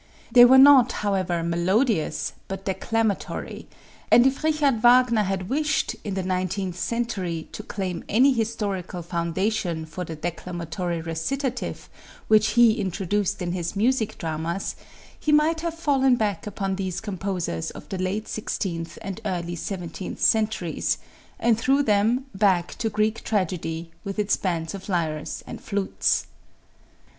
They were not, however, melodious, but declamatory; and if Richard Wagner had wished, in the nineteenth century, to claim any historical foundation for the declamatory recitative which he introduced in his music dramas, he might have fallen back upon these composers of the late sixteenth and early seventeenth centuries, and through them back to Greek tragedy with its bands of lyres and flutes.